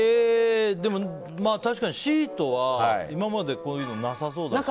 確かにシートは今までこういうのなさそうだなと。